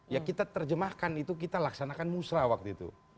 ya kita terjemahkan itu kita laksanakan musrah waktu itu